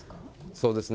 そうですね。